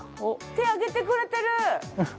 手上げてくれてる！